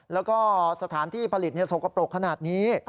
แล้วก็สถานที่ผลิตสกปรกขนาดนี้